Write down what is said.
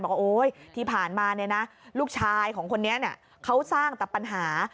บอกว่าที่ผ่านมาลูกชายของคนนี้เขาสร้างแต่ปัญหา